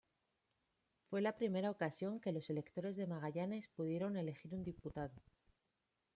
Fue la primera ocasión que los electores de Magallanes pudieron elegir un diputado.